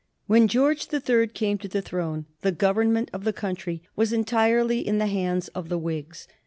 When George the Third came to the throne the government of the country was entirely in the hands of the Whigs.